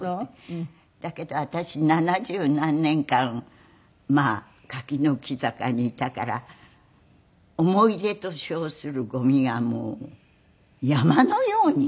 だけど私七十何年間まあ柿の木坂にいたから思い出と称するゴミがもう山のようにあるんです。